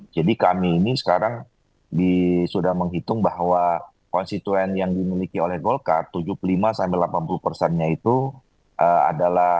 jadi kami ini sekarang sudah menghitung bahwa konstituen yang dimiliki oleh golkar tujuh puluh lima delapan puluh persennya itu adalah